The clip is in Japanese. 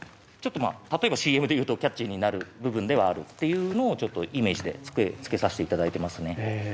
ちょっとまあ例えばＣＭで言うとキャッチーになる部分ではあるっていうのをちょっとイメージで付けさしていただいてますね。